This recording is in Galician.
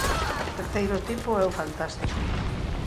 O terceiro tipo é o fantástico.